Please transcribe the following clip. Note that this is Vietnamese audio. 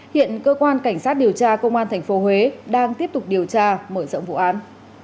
hiện cơ quan cảnh sát điều tra công an tp huế đang tiếp tục điều tra mở rộng vụ án